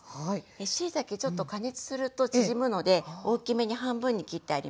しいたけちょっと加熱すると縮むので大きめに半分に切ってあります。